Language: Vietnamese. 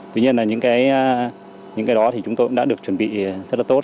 tuy nhiên là những cái đó thì chúng tôi cũng đã được chuẩn bị rất là tốt